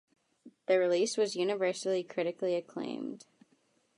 The release was universally critically acclaimed.